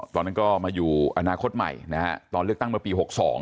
ตอนนั้นก็มาอยู่อนาคตใหม่นะฮะตอนเลือกตั้งเมื่อปี๖๒